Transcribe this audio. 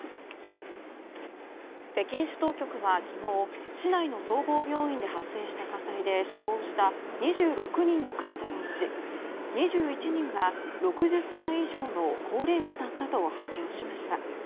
北京市当局は昨日市内の総合病院で発生した火災で死亡した２６人の患者のうち２１人が６０歳以上の高齢者だったと発表しました。